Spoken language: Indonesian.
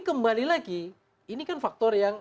kembali lagi ini kan faktor yang